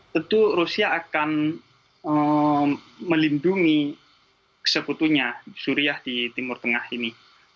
tentu rusia akan melindungi seputunya suriah di timur tengah ini